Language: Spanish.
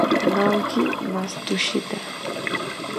Naoki Matsushita